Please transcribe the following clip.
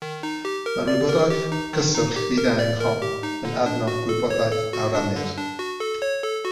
Mae'r wybodaeth gyswllt fyd-eang hon yn adnodd gwybodaeth a rennir.